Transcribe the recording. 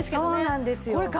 そうなんですよ。